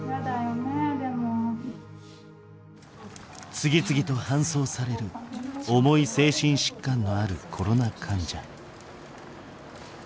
次々と搬送される重い精神疾患のあるコロナ患者。